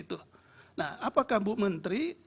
nah apakah bu menteri